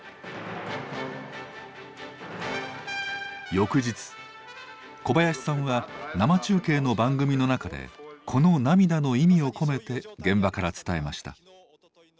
翌日小林さんは生中継の番組の中でこの涙の意味を込めて現場から伝えました。